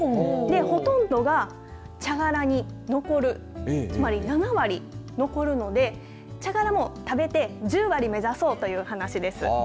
ほとんどが茶殻に残るつまり７割残るので茶殻も食べて１０割目指そうという話です。